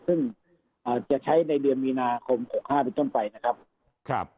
ซึ่งจะใช้ในเดือนมีนาคม๖๕เป็นต้นไปนะครับ